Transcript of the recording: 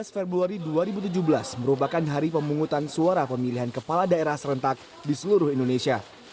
tujuh belas februari dua ribu tujuh belas merupakan hari pemungutan suara pemilihan kepala daerah serentak di seluruh indonesia